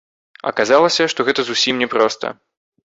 Аказалася, што гэта зусім не проста.